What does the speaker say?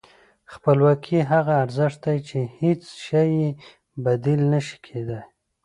خپلواکي هغه ارزښت دی چې هېڅ شی یې بدیل نه شي کېدای.